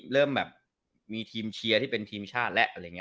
เริ่มแบบมีทีมเชียร์ที่เป็นทีมชาติแบบนี้